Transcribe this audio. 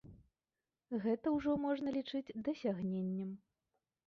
Гэта ўжо можна лічыць дасягненнем.